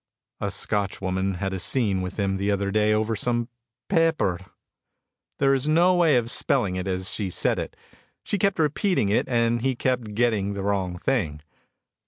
A Scotch woman had a scene with him the other day over some "paeper." There is no way of spelling it as she said it. She kept repeating it and he kept getting the wrong thing.